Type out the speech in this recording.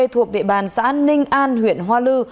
thuộc địa bàn xã ninh an huyện hoa lư